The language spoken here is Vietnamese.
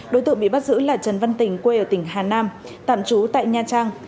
đối tượng bị bắt giữ là trần văn tình quê ở tỉnh hà nam tạm trú tại nha trang